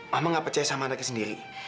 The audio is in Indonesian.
mama gak percaya sama anaknya sendiri